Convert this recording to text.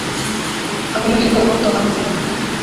আমি লিখি পরিবর্তন আনতে।